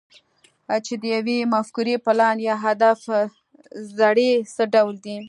چې د يوې مفکورې، پلان، يا هدف زړی څه ډول دی؟